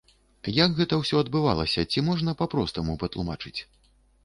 Як гэта ўсё адбывалася, ці можна па-простаму патлумачыць?